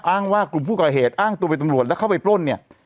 อ้างว่ากลุ่มผู้ก่อเหตุอ้างตัวเป็นตำรวจแล้วเข้าไปปล้นเนี่ย